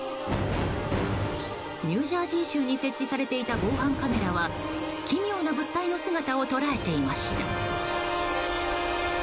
ニュージャージー州に設置されていた防犯カメラは奇妙な物体の姿を捉えていました。